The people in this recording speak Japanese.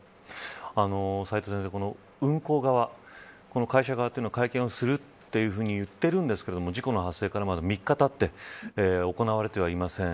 斎藤先生会社側というのは会見をするといっているんですが事故の発生から３日たってまだ行われてはいません。